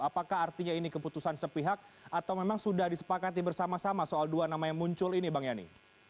apakah artinya ini keputusan sepihak atau memang sudah disepakati bersama sama soal dua nama yang muncul ini bang yani